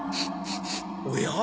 おや？